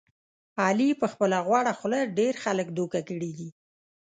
علي په خپله غوړه خوله ډېر خلک دوکه کړي دي.